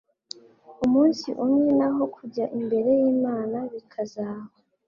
umunsi umwe naho kujya imbere yImana bikazaba